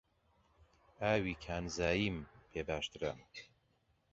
ئاوی کانزاییم پێ باشترە.